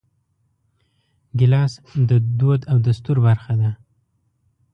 ګیلاس د دود او دستور برخه ده.